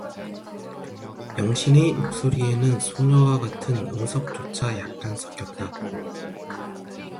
영신의 목소리에는 소녀와 같은 응석조차 약간 섞였다.